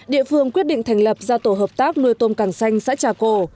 địa phương quyết định thành lập gia tổ hợp tác nuôi tôm càng xanh sãi trà cổ